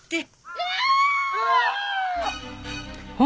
うわ！